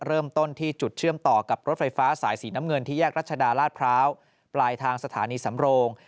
เริ่มต้นที่จุดเชื่อมต่อกับรถไฟฟ้าสายสีน้ำเงินที่แยกรัชดาลาดพร้าวปลายทางสถานีสำโรง